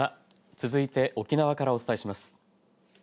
続いて沖縄からお伝えします。